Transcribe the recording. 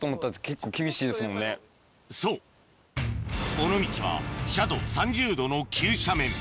そう尾道は斜度３０度の急斜面